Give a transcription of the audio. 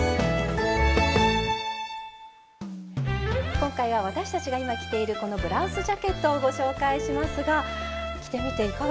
今回は私たちが今着ているこのブラウスジャケットをご紹介しますが着てみていかがですか？